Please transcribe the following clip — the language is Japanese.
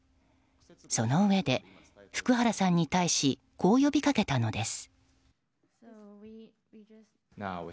そのうえで、福原さんに対しこう呼びかけたのです。